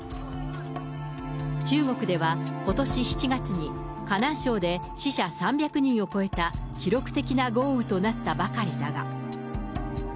中国ではことし７月に、河南省で死者３００人を超えた記録的な豪雨となったばかりだが。